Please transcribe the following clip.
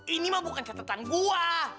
ini mah bukan catatan gue